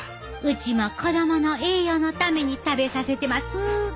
うちも子供の栄養のために食べさせてます。